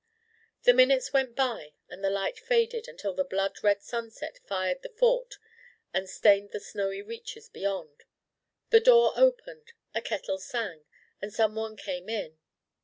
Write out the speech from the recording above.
The minutes went by and the light faded until the blood red sunset fired the Fort and stained the snowy reaches beyond. A door opened, a kettle sang, and some one came in.